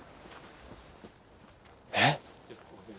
えっ？